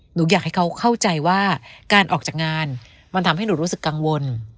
หนูอยากให้เขาเข้าใจว่าการออกจากงานมันทำให้หนูรู้สึกกังวล